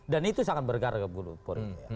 dan itu sangat bergara gara poli ya